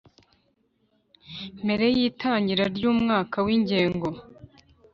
mbere y itangira ry umwaka w ingengo